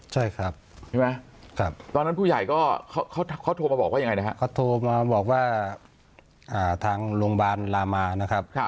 ใช่ครับใช่ไหมตอนนั้นผู้ใหญ่ก็เขาโทรมาบอกว่ายังไงนะครับเขาโทรมาบอกว่าทางโรงพยาบาลลามานะครับ